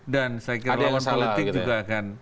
dan saya kira lawan politik juga akan